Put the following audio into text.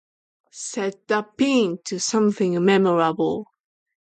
Set the pin to something memorable